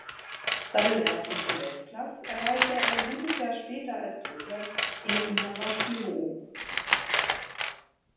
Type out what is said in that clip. Seinen ersten Podestplatz erreichte er ein gutes Jahr später als Dritter in Inawashiro.